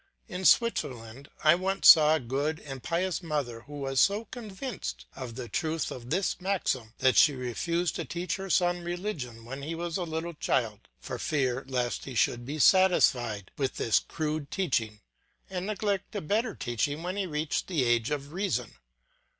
In Switzerland I once saw a good and pious mother who was so convinced of the truth of this maxim that she refused to teach her son religion when he was a little child for fear lest he should be satisfied with this crude teaching and neglect a better teaching when he reached the age of reason.